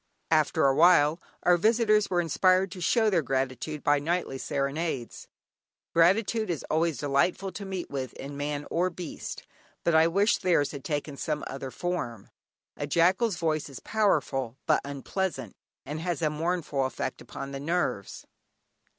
After a while, our visitors were inspired to show their gratitude by nightly serenades. Gratitude is always delightful to meet with in man or beast, but I wished their's had taken some other form. A jackal's voice is powerful but unpleasant, and has a mournful effect upon the nerves.